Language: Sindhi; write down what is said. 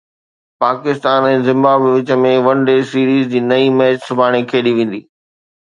پاڪستان ۽ زمبابوي وچ ۾ ون ڊي سيريز جي ٽئين ميچ سڀاڻي کيڏي ويندي